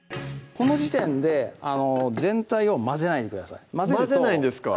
この時点で全体を混ぜないでください混ぜないんですか？